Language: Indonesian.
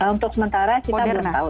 untuk sementara kita belum tahu